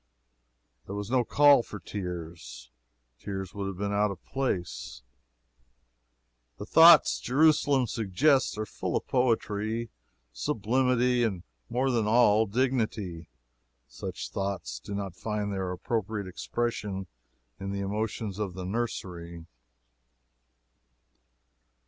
There was no call for tears. Tears would have been out of place. The thoughts Jerusalem suggests are full of poetry, sublimity, and more than all, dignity. Such thoughts do not find their appropriate expression in the emotions of the nursery.